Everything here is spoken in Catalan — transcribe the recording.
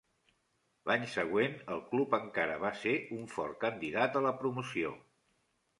L'any següent el club encara va ser un fort candidat a la promoció.